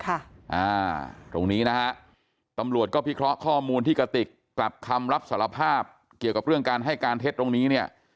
ตรงนี้นะฮะตำรวจก็พิเคราะห์ข้อมูลที่กระติกกลับคำรับสารภาพเกี่ยวกับเรื่องการให้การเท็จตรงนี้เนี่ย